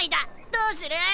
どうする？